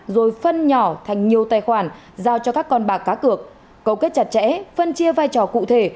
rồi phân nhỏ thành nhiều tài khoản giao cho các con bạc cá cược cấu kết chặt chẽ phân chia vai trò cụ thể